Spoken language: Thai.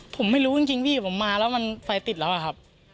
ผมไม่รู้จริงพี่ผมมาแล้วมันไฟติดแล้วอะครับ